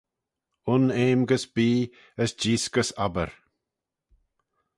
Un eam gys bee as jees gys obbyr